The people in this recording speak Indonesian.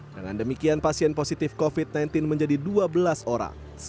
dengan demikian pasien positif covid sembilan belas menjadi dua belas orang